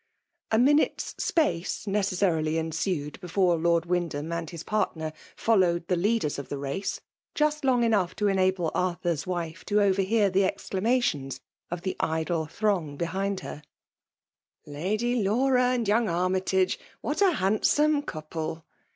A minute s space necessarily en Boed before Lord Wyndham and his partner fidlawed the leaden of the race— just long o2 124 FKMALE DOMINATION. enough to enable Arthur *& wife to overhear the exclamations of the idle throng behind h(^ «" Lady Laura and young Armytage !"—*' What a handsome couple